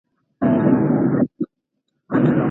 دلته له وهلو څخه هدف، د هغې متوجه کول دي.